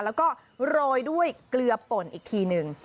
แล้วก็โรยด้วยเกลือป่นอีกทีหนึ่ง